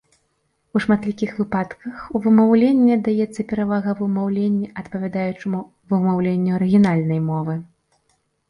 У шматлікіх выпадках у вымаўленні аддаецца перавага вымаўленню адпавядаючаму вымаўленню арыгінальнай мовы.